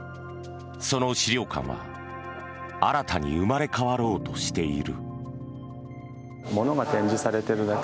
その資料館は新たに生まれ変わろうとしている。